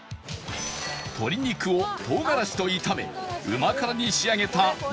鶏肉を唐辛子と炒めうま辛に仕上げた麻辣鶏肉